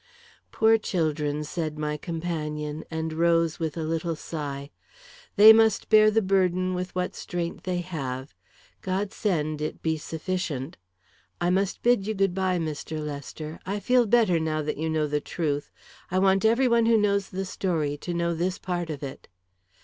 "Poor children!" said my companion, and rose with a little sigh. "They must bear the burden with what strength they have. God send it be sufficient! I must bid you good bye, Mr. Lester. I feel better, now that you know the truth. I want every one who knows the story to know this part of it."